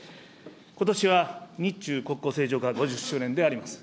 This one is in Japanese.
ことしは日中国交正常化５０周年であります。